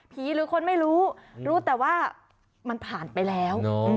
หรือคนไม่รู้รู้รู้แต่ว่ามันผ่านไปแล้ว